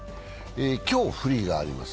今日、フリーがあります。